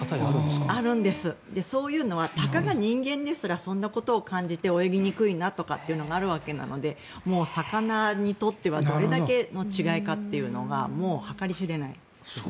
そういうのはたかが人間ですらそんなことを感じて泳ぎにくいなとかっていうのがあるわけなので魚にとってはどれだけの違いかというのが計り知れない。